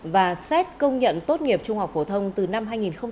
và xét công nhận tốt nghiệp trung học phổ thông từ năm hai nghìn hai mươi năm